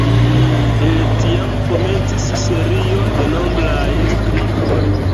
El tiam komencis serio de nombraj strikoj.